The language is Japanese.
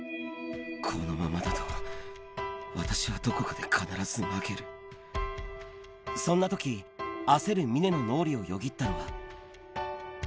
このままだと私はどこかで必そんなとき、焦る峰の脳裏をよぎったのが。